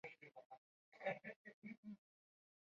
北海道医疗大学站的铁路车站。